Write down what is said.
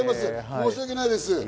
申し訳ないです。